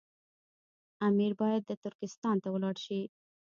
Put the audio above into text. امیر باید ترکستان ته ولاړ شي.